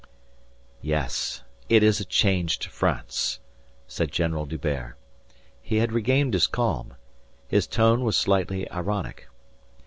"Yes, it is a changed France," said General D'Hubert. He had regained his calm. His tone was slightly ironic.